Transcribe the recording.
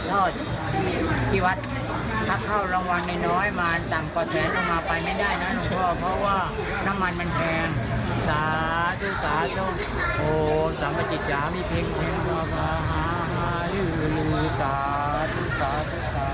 โหสรรพจิตยามีเพลงเท่าไหร่